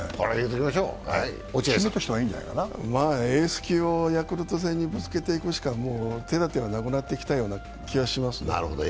エース級をヤクルト戦にぶつけていくしか手立てがなくなってきてます。